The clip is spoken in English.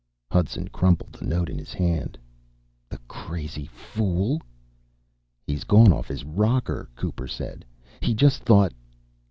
Hudson crumpled the note in his hand. "The crazy fool!" "He's gone off his rocker," Cooper said. "He just thought...."